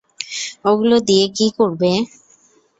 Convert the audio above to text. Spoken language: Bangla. ওগুলো দিয়ে কী করবে?